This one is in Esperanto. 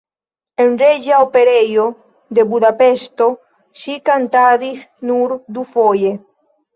En Reĝa Operejo de Budapeŝto ŝi kantadis nur dufoje.